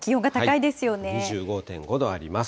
２５．５度あります。